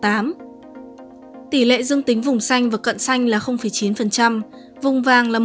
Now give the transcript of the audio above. tỷ lệ dương tính vùng xanh và cận xanh là chín vùng vàng là một